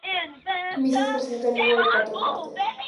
Mises presenta el libro en cuatro partes.